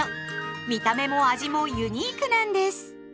見た目も味もユニークなんです。